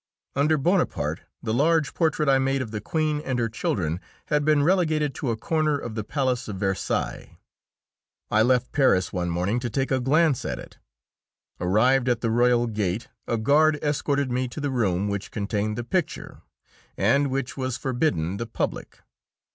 Under Bonaparte, the large portrait I had made of the Queen and her children had been relegated to a corner of the palace of Versailles. I left Paris one morning to take a glance at it. Arrived at the royal gate, a guard escorted me to the room which contained the picture, and which was forbidden the public.